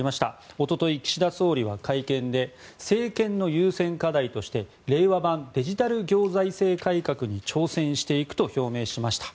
一昨日、岸田総理は会見で政権の優先課題として令和版デジタル行財政改革に挑戦していくと表明しました。